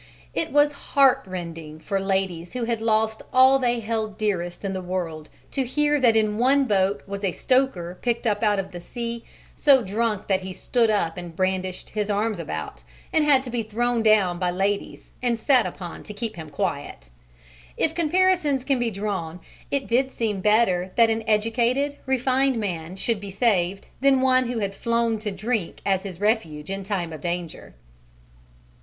It was heartrending for ladies who had lost all they held dearest in the world to hear that in one boat was a stoker picked up out of the sea so drunk that he stood up and brandished his arms about, and had to be thrown down by ladies and sat upon to keep him quiet. If comparisons can be drawn, it did seem better that an educated, refined man should be saved than one who had flown to drink as his refuge in time of danger.